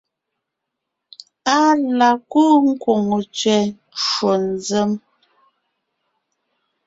Á la kúu kwòŋo tsẅɛ ncwò nzěm,